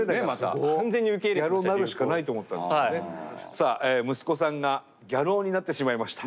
さあ息子さんがギャル男になってしまいました。